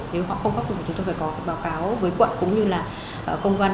nếu họ không khắc phục thì chúng tôi phải có báo cáo với quận cũng như là công văn